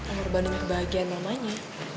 ngorbanin kebahagiaan mamanya